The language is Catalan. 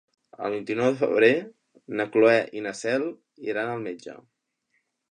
El vint-i-nou de febrer na Cloè i na Cel iran al metge.